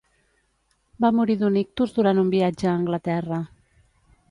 Va morir d’un ictus durant un viatge a Anglaterra.